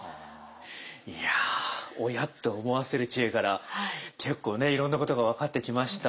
いや「おや？」と思わせる知恵から結構ねいろんなことが分かってきました。